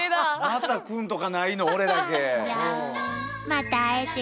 また「くん」とかないの俺だけ。